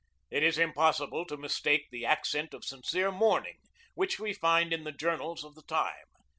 It is impossible to mistake the accent of sincere mourning which we find in the journals of the time.